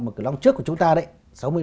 một cái lọ trước của chúng ta đấy